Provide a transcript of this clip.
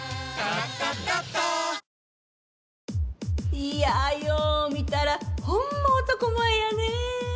いやぁよう見たらほんま男前やねぇ！